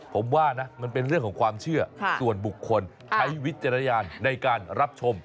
ผมว่านะมันเป็นเรื่องของความเชื่อส่วนบุคคลใช้วิจารณญาณในการรับชม